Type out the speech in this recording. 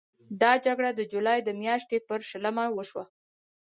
دا جګړه د جولای د میاشتې پر شلمه وشوه.